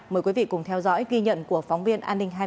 mời quý vị cùng theo dõi ghi nhận của phóng viên an ninh hai mươi bốn